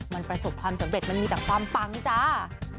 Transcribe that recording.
มันประสบความสำเร็จมันมีแต่ความปังจ้า